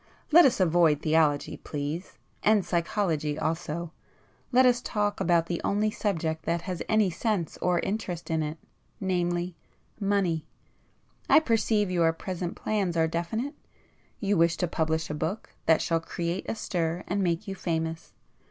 Let us avoid theology, please, and psychology also,—let us talk about the only subject that has any sense or interest in it—namely, Money. I perceive your present plans are definite,—you wish to publish a book that shall create a stir and make you famous.